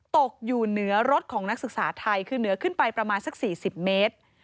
ตกอยู่เหนือรถของนักศึกษาไทยคือเหนือขึ้นไปประมาณสัก๔๐เมตร